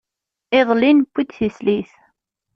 Iḍelli, newwi-d tislit.